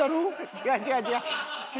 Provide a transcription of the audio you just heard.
違う違う違う！